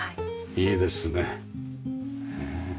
いいですね。